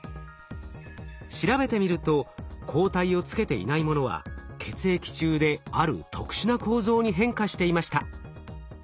調べてみると抗体をつけていないものは血液中である特殊な構造に変化していました。